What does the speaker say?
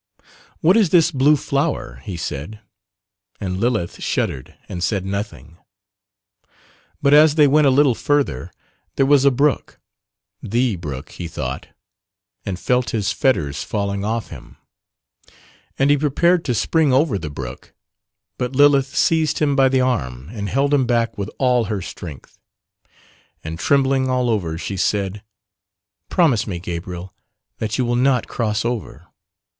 "What is this blue flower?" he said, and Lilith shuddered and said nothing; but as they went a little further there was a brook the brook he thought, and felt his fetters falling off him, and he prepared to spring over the brook; but Lilith seized him by the arm and held him back with all her strength, and trembling all over she said, "Promise me Gabriel that you will not cross over."